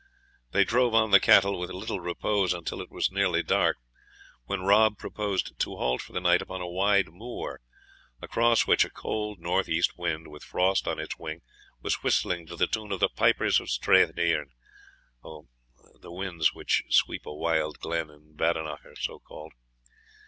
They drove on the cattle with little repose until it was nearly dark, when Rob proposed to halt for the night upon a wide moor, across which a cold north east wind, with frost on its wing, was whistling to the tune of the Pipers of Strath Dearn.* * The winds which sweep a wild glen in Badenoch are so called.